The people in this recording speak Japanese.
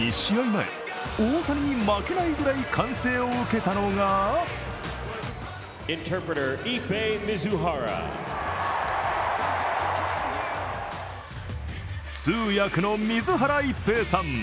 前、大谷に負けないくらい歓声を受けたのが通訳の水原一平さん。